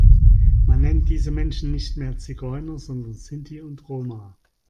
Man nennt diese Menschen nicht mehr Zigeuner, sondern Sinti und Roma.